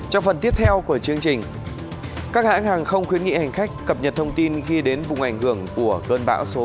trong phần tiếp theo của chương trình các hãng hàng không khuyến nghị hành khách cập nhật thông tin khi đến vùng ảnh hưởng của cơn bão số năm